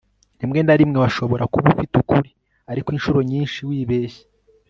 rimwe na rimwe washobora kuba ufite ukuri, ariko inshuro nyinshi wibeshya